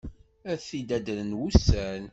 Ad t-id-addren wussan!